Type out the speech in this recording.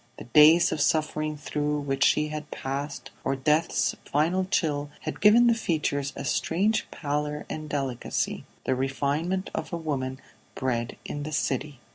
The days of suffering through which she had passed, or death's final chill had given the features a strange pallor and delicacy, the refinement of a woman bred in the city.